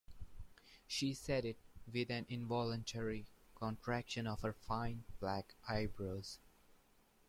She said it with an involuntary contraction of her fine black eyebrows.